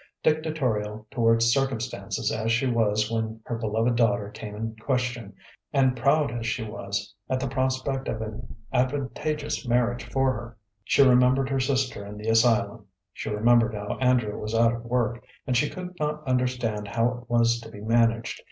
Dictatorial towards circumstances as she was when her beloved daughter came in question, and proud as she was at the prospect of an advantageous marriage for her, she remembered her sister in the asylum, she remembered how Andrew was out of work, and she could not understand how it was to be managed.